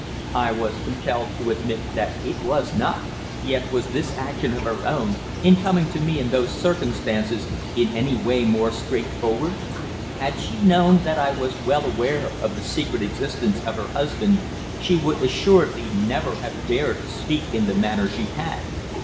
I was compelled to admit that it was not. Yet, was this action of her own, in coming to me in those circumstances, in any way more straightforward? Had she known that I was well aware of the secret existence of her husband, she would assuredly never have dared to speak in the manner she had.